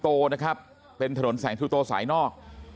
โตนะครับเป็นถนนแสงชูโตสายนอก